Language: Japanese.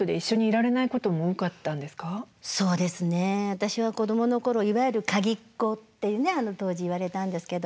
私は子どもの頃いわゆる鍵っ子っていうね当時言われたんですけど。